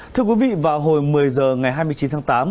thưa quý vị vào hồi một mươi h ngày hai mươi chín tháng tám